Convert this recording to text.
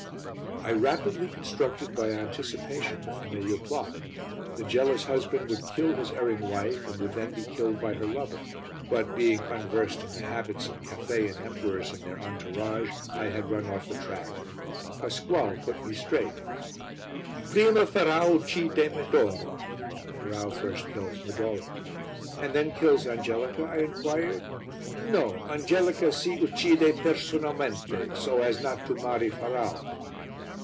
I rapidly constructed by anticipation the familiar plot. The jealous husband would kill his erring wife and would then be killed by her lover; but, being unversed in the habits of Cathaian emperors and their entourage, I had run off the track. Pasquale put me straight. "Prima Ferrau uccide Medoro." (Ferrau first kills Medoro.) "And then kills Angelica?" I inquired. "No. Angelica si uccide personalmente, so as not to marry Ferrau."